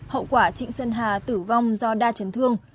hậu quả trịnh xuân hà tử vong do đa chấn thương